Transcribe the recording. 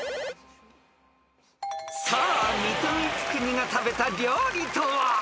［さあ水戸光圀が食べた料理とは！？］